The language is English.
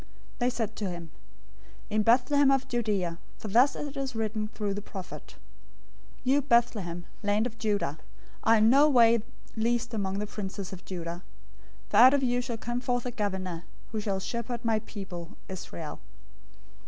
002:005 They said to him, "In Bethlehem of Judea, for thus it is written through the prophet, 002:006 'You Bethlehem, land of Judah, are in no way least among the princes of Judah: for out of you shall come forth a governor, who shall shepherd my people, Israel.'"